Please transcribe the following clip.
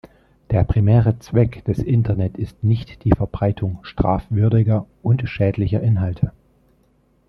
Der primäre Zweck des Internet ist nicht die Verbreitung strafwürdiger und schädlicher Inhalte.